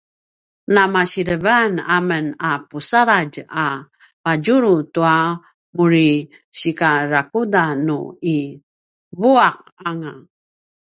na masilevan amen a pusaladj a padjulu tua muri sikarakuda nu i vuaq anga